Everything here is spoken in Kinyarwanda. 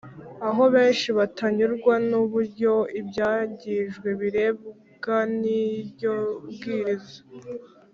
aho benshi batanyurwa n uburyo ibyangijwe birebwa n iryo bwiriza